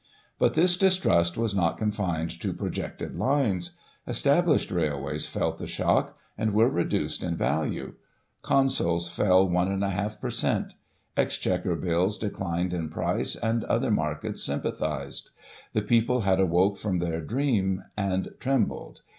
"But the distrust was not confined to projected lines. Established railways felt the shock, and were reduced in value. Consols fell one cind a half per cent. ; Exchequer bills declined in price, and other markets sympathised. The people had awoke from their dream, and trembled.